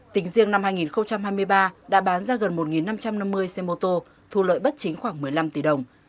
tỉnh riêng năm hai nghìn hai mươi ba đã bán ra gần một năm trăm năm mươi xe mô tô thu lợi bất chính khoảng một mươi năm tỷ đồng